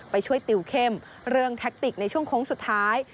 ไปช่วยติวเข้มเรื่องแท็กติกในช่วงโค้งสุดท้าย